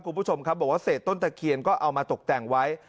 คุณผู้ชมครับบอกว่าเศษต้นตะเคียนก็เอามาตกแต่งไว้